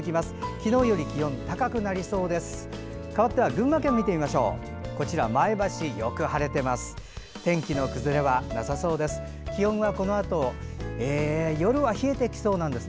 昨日より気温が高くなりそうです。